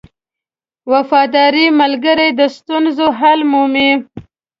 • وفادار ملګری د ستونزو حل مومي.